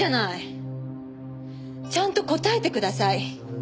ちゃんと答えてください。